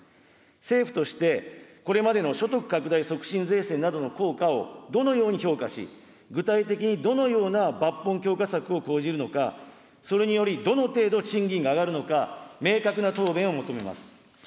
政府としてこれまでの所得拡大促進税制などの効果を、どのように評価し、具体的にどのような抜本強化策を講じるのか、それにより、どの程度、賃金が上がるのか、明確な答弁を求めます。